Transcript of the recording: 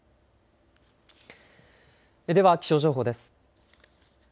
では気象情報です。